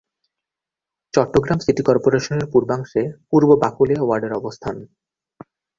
Chittagong city কর্পোরেশনের পূর্বাংশে পূর্ব বাকলিয়া ওয়ার্ডের অবস্থান।